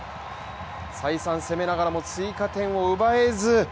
再三攻めながらも追加点を奪えず。